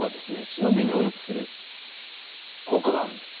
血の巡りをよくする効果があるんです。